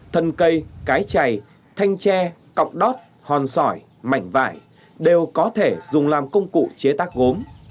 thân cây cái chày thanh tre cọng đót hòn sỏi mảnh vải đều có thể dùng làm công cụ chế tác gốm